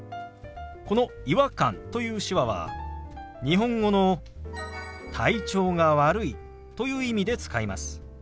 この「違和感」という手話は日本語の「体調が悪い」という意味で使います。